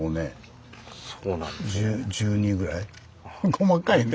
細かいね。